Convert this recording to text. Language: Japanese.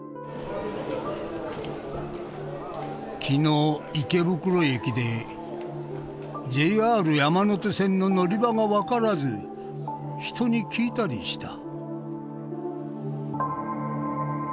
「昨日池袋駅でＪＲ山手線の乗場が分らず人にきいたりした」。